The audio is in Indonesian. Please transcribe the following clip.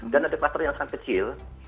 dan ada kluster yang sangat kecil